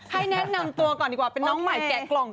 ให้แนะนำตัวก่อนดีกว่าเป็นน้องใหม่แกะกล่อง